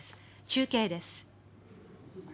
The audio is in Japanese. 中継です。